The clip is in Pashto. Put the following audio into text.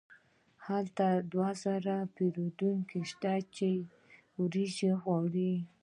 هلته دوه زره پیرودونکي شته چې وریجې غواړي.